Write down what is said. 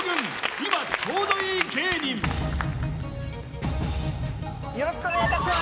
今ちょうどいい芸人よろしくお願いいたします